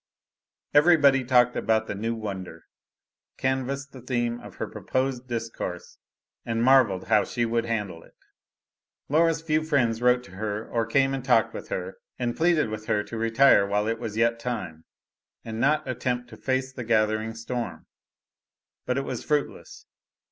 Everybody talked about the new wonder, canvassed the theme of her proposed discourse, and marveled how she would handle it. Laura's few friends wrote to her or came and talked with her, and pleaded with her to retire while it was yet time, and not attempt to face the gathering storm. But it was fruitless.